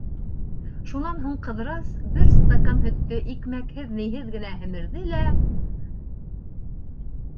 Шунан һуң Ҡыҙырас бер стакан һөттө икмәкһеҙ-ниһеҙ генә һемерҙе лә: